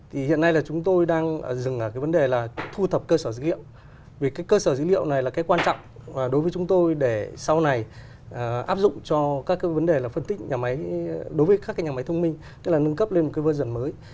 hiện nay chúng tôi đang dừng vấn đề thu thập cơ sở dữ liệu vì cơ sở dữ liệu này là quan trọng đối với chúng tôi để sau này áp dụng cho các vấn đề phân tích nhà máy đối với các nhà máy thông minh tức là nâng cấp lên một version mới